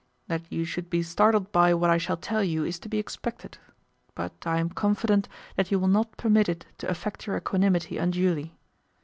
That you should be startled by what I shall tell you is to be expected; but I am confident that you will not permit it to affect your equanimity unduly.